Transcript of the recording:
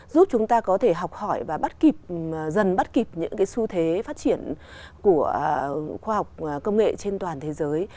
giúp chúng ta có thể học hỏi và bắt kịp dần bắt kịp những cái xu thế phát triển của khoa học công nghệ trên toàn thế giới